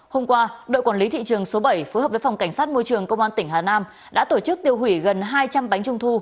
hôm qua đội quản lý thị trường số bảy phối hợp với phòng cảnh sát môi trường công an tỉnh hà nam đã tổ chức tiêu hủy gần hai trăm linh bánh trung thu